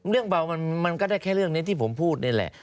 เบามันก็ได้แค่เรื่องนี้ที่ผมพูดนี่แหละ